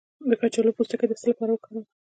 د کچالو پوستکی د څه لپاره وکاروم؟